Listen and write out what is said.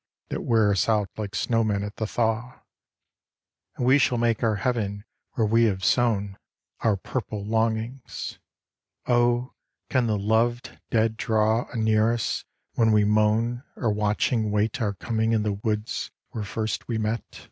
That wear us out like snow men at the thaw. And we shall make our Heaven where we have sown Our purple longings. Oh ! can the loved dead draw Anear us when we moan, or watching wait Our coming in the woods where first we met.